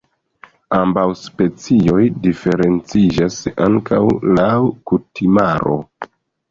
Ambaŭ specioj diferenciĝas ankaŭ laŭ kutimaro.